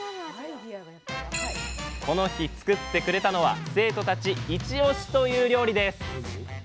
この日作ってくれたのは生徒たちイチ推しという料理です。